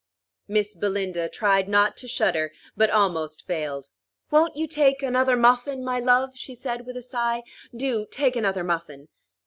Miss Belinda tried not to shudder, but almost failed. "Won't you take another muffin, my love?" she said, with a sigh. "Do take another muffin."